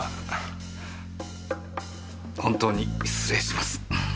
本当に失礼します。